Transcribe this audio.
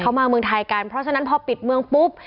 เขามาเมืองไทยกันเพราะฉะนั้นพอปิดเมืองปุ๊บ